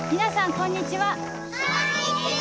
こんにちは！